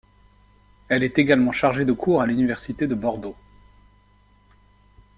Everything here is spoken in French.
Elle est également chargée de cours à l’université de Bordeaux.